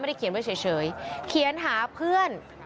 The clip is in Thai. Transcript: เขียนไว้เฉยเขียนหาเพื่อน